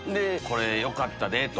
これよかったで！